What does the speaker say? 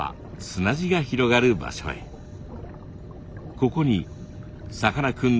ここにさかなクン